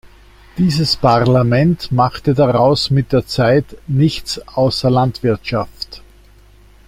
Dieses Parlament machte daraus mit der Zeit "Nichts außer Landwirtschaft".